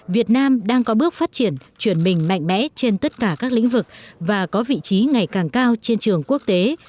việt nam đang có bước phát triển chuyển mình mạnh mẽ trên tất cả các lĩnh vực và có vị trí ngày càng cao trên trường quốc tế